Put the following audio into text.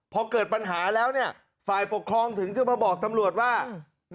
พอเกิดปัญหาแล้วเนี่ยฝ่ายปกครองถึงจะมาบอกตำรวจว่า